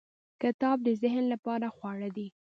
• کتاب د ذهن لپاره خواړه دی.